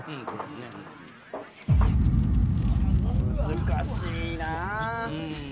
難しいな。